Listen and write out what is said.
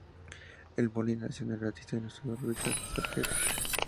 En Moline nació el artista e ilustrador Richard Sargent.